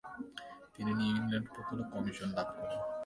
তিনি New England উপকূলে commission লাভ করেন।